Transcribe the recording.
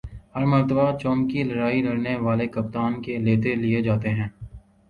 ہر مرتبہ چومکھی لڑائی لڑنے والے کپتان کے لتے لیے جاتے ہیں ۔